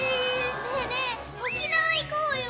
ねえねえ沖縄行こうよ！